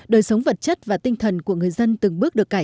đời sống vật chất và tinh thần của người dân từng bước được cải